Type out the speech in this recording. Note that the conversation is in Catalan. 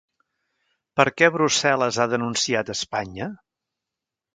Per què Brussel·les ha denunciat Espanya?